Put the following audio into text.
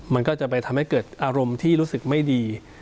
มันก็จะไปทำให้เกิดอารมณ์ที่รู้สึกไม่ดี